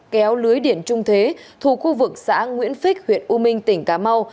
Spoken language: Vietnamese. kéo lưới điện trung thế thuộc khu vực xã nguyễn phích huyện u minh tỉnh cà mau